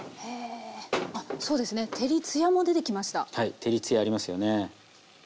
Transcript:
照り艶ありますよね。